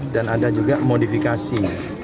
dan ada juga modifikasi